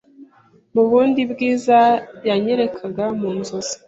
mu bundi bwiza yanyerekaga mu nzozi